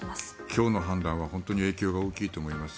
今日の判断は本当に影響が大きいと思います。